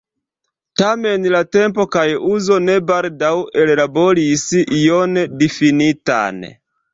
Tamen "la tempo kaj uzo" ne baldaŭ ellaboris ion difinitan.